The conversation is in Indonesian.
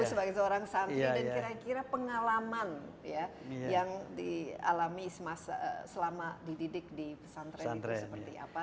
tapi sebagai seorang santri dan kira kira pengalaman ya yang dialami selama dididik di pesantren itu seperti apa